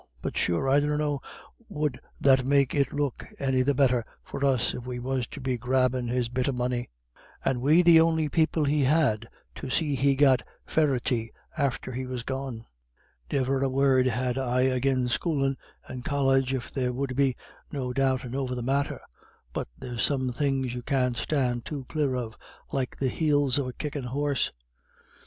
But sure, I dunno would that make it look any the better for us if we was to be grabbin' his bit of money, and we the on'y people he had to see he got fairity after he was gone. Ne'er a word have I agin schoolin' and College if there would be no doubtin' over the matter; but there's some things you can't stand too clear of, like the heels of a kickin' horse.